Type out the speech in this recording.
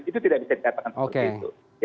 itu tidak bisa dikatakan seperti itu